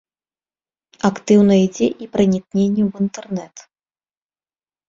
Актыўна ідзе і пранікненне ў інтэрнэт.